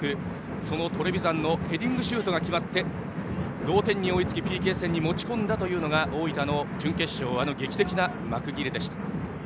そのトレヴィザンのヘディングシュートが決まって同点に追いつきＰＫ戦に持ち込んだというのが大分の準決勝劇的な幕切れでした。